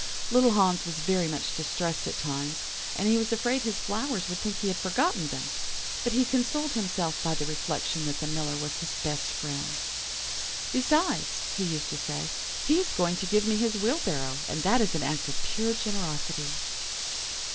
Little Hans was very much distressed at times, as he was afraid his flowers would think he had forgotten them, but he consoled himself by the reflection that the Miller was his best friend. 'Besides,' he used to say, 'he is going to give me his wheelbarrow, and that is an act of pure generosity.